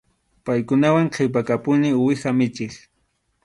Paykunawan qhipakapuni uwiha michiq.